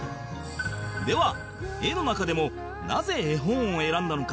では絵の中でもなぜ絵本を選んだのか？